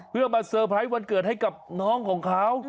เพื่อมาเตอร์ไพรส์วันเกิดให้กับน้องของเขา